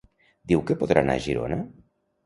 Diu que podrà anar a Girona?